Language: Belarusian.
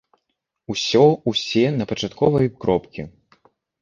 Усё усе на пачатковыя кропкі.